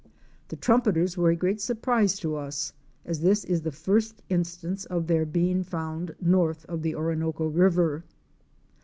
'The Trumpeters were a great surprise to us, as this is the first instance of their being found north of the Orinoco River.